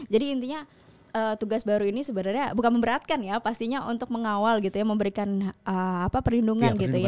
jadi intinya tugas baru ini sebenarnya bukan memberatkan ya pastinya untuk mengawal gitu ya memberikan perlindungan gitu ya